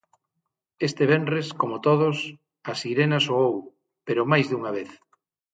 Este venres, como todos, a sirena soou, pero máis dunha vez.